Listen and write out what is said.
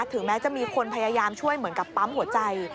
ถึงแม้จะมีคนพยายามช่วยเหมือนกับปั๊มหัวใจ